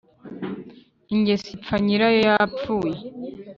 Ingeso ipfa nyirayo yapfuye.